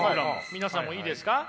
皆さんもいいですか？